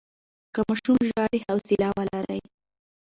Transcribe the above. که ماشوم ژاړي، حوصله ولرئ.